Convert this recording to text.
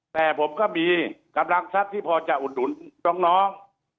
แต่ผมก็มีกำลังทรัพย์ที่พอจะอุดหนุนน้อง